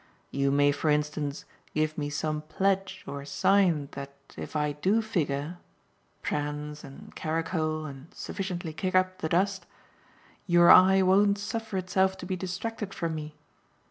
You may for instance give me some pledge or sign that if I do figure prance and caracole and sufficiently kick up the dust your eye won't suffer itself to be distracted from me.